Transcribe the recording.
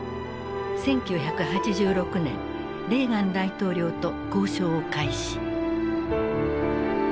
１９８６年レーガン大統領と交渉を開始。